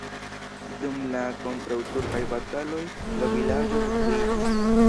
Dum la kontraŭturkaj bataloj la vilaĝo detruiĝis.